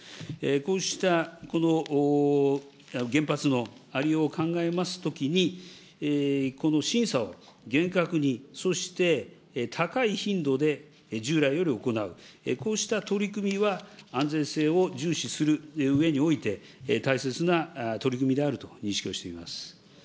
こうした原発のあり様を考えますときに、審査を厳格に、そして高い頻度で従来より行う、こうした取り組みは、安全性を重視するうえにおいて、大切な取り組みであると認識をしております。